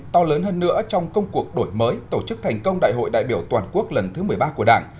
to lớn hơn nữa trong công cuộc đổi mới tổ chức thành công đại hội đại biểu toàn quốc lần thứ một mươi ba của đảng